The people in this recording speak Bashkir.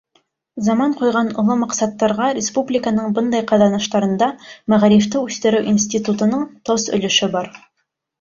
Заман ҡуйған оло маҡсаттарға Республиканың бындай ҡаҙаныштарында Мәғарифты үҫтереү институтының тос өлөшө бар.